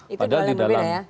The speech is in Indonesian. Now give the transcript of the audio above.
itu dua hal yang berbeda ya